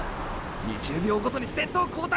２０秒ごとに先頭交代だ！